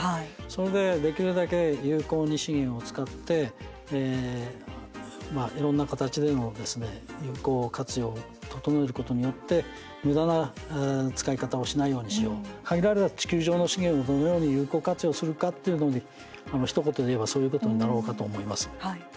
それでできるだけ有効に資源を使っていろんな形での有効活用を整えることによってむだな使い方をしないようにしよう限られた地球上の資源をどのように有効活用するかっていうのに、ひと言でいえばそういうことになろうかと思います。